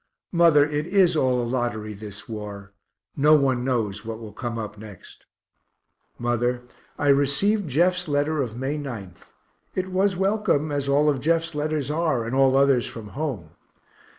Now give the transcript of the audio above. Mother, it is all a lottery, this war; no one knows what will come up next. Mother, I received Jeff's letter of May 9th it was welcome, as all Jeff's letters are, and all others from home.